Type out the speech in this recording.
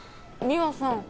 三和さん。